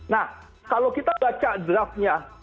nah kalau kita baca draftnya